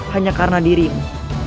hanya karena dirimu